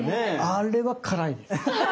あれは辛いです。